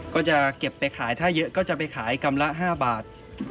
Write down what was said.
ก็จะเก็บไปขายถ้าเยอะก็จะไปขายกรัมละ๕บาท